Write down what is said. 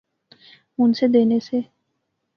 ہن سے دینے سے